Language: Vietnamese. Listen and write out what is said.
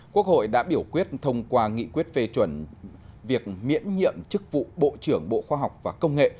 quốc hội đã biểu quyết thông qua nghị quyết phê chuẩn việc miễn nhiệm chức vụ bộ trưởng bộ khoa học và công nghệ